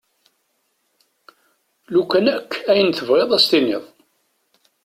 Lukan akk ayen tebɣiḍ ad as-tiniḍ.